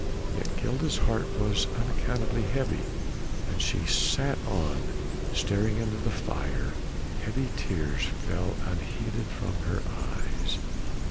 Yet Gilda's heart was unaccountably heavy, and as she sat on, staring into the fire, heavy tears fell unheeded from her eyes.